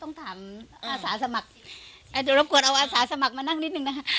ต้องถามอาสาสมัครจะรบกวนเอาอาสาสมัครมานั่งนิดนึงนะคะ